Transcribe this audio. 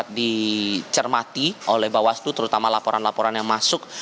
dicermati oleh bawaslu terutama laporan laporan yang masuk